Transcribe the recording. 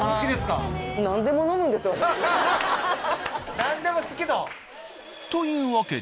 何でも好きと。というわけで。